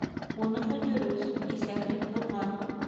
— Уныһы дөрөҫ, иҫәрлек булған.